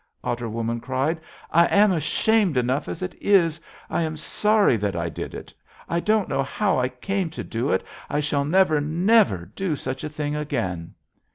Otter Woman cried. 'I am ashamed enough as it is! I am sorry that I did it! I don't know how I came to do it; I shall never, never do such a thing again!'